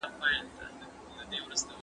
که مطالعه روانه وي نو ذهن نه ستړی کېږي.